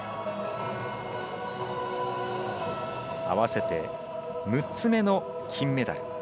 合わせて６つ目の金メダル。